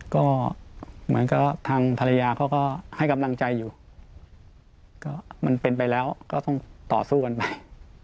ก็เหมือนกับทางภรรยาเขาก็ให้กำลังใจอยู่ก็มันเป็นไปแล้วก็ต้องต่อสู้กันไป